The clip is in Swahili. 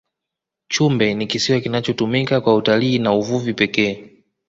chumbe ni kisiwa kinachotumika kwa utalii na uvuvi pekee